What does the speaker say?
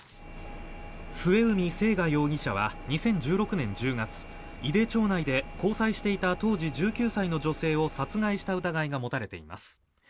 末海征河容疑者は２０１６年１０月井手町内で交際していた当時、１９歳の女性を殺害した疑いが持たれています。